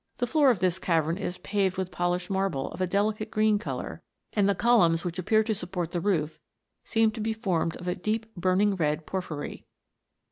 259 floor of this cavern is paved with polished marble of a delicate green colour, and the columns which appear to support the roof seem to be formed of a deep burning red porphyry.